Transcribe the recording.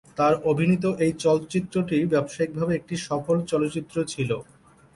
তাঁর অভিনীত এই চলচ্চিত্রটি ব্যবসায়িকভাবে একটি সফল চলচ্চিত্র ছিল।